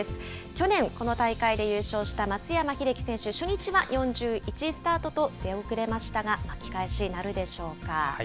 去年、この大会で優勝した松山英樹選手、初日は４１位スタートと出遅れましたが、巻き返しなるでしょうか。